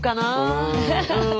うん。